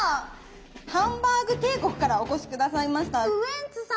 ハンバーグ帝国からお越し下さいましたウエンツさん。